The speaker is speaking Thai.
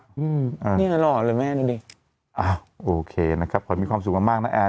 ไว้เดี๋ยวไปทานข้าวไว้เดี๋ยวชวนน้องไปทานข้าว